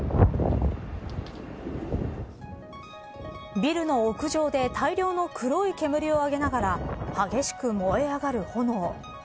ビルの屋上で大量の黒い煙を上げながら激しく燃え上がる炎。